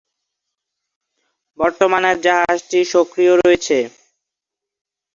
বর্তমানে জাহাজটি সক্রিয় রয়েছে।